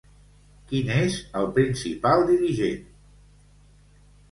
Qui n'és el principal dirigent?